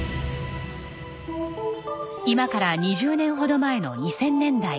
今から２０年程前の２０００年代。